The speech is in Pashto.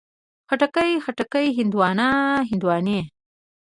خټکی، خټکي، هندواڼه، هندواڼې